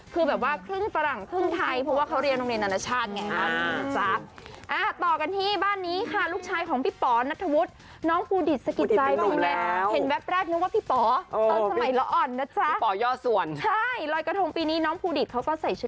คือแบบว่าคลึ่งฝรั่งคลึ่งไทยเพราะคือเรียนโรงเรียนอำนาชาติไงครับ